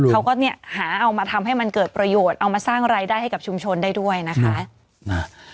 เขาก็เนี่ยหาเอามาทำให้มันเกิดประโยชน์เอามาสร้างรายได้ให้กับชุมชนได้ด้วยนะคะ